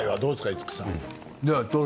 五木さん。